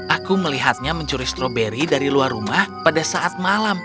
aku melihatnya mencuri stroberi dari luar rumah pada saat malam